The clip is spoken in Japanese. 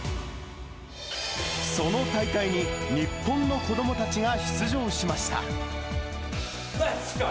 その大会に、日本の子どもたちが出場しました。